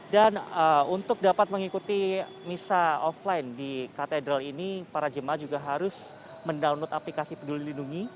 dan untuk dapat mengikuti misal offline di katedral ini para jemaat juga harus mendownload aplikasi peduli lindungi